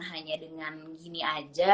hanya dengan gini aja